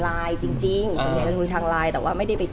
เหมือนนางก็เริ่มรู้แล้วเหมือนนางก็เริ่มรู้แล้ว